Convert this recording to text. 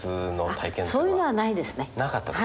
あそういうのはないですね。